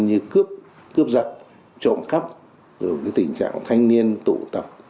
như cướp cướp giật trộm cắp rồi tình trạng thanh niên tụ tập